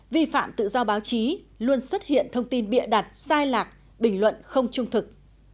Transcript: vi phạm tự do báo chí luôn xuất hiện thông tin bịa đặt sai lạc bình luận không trung thực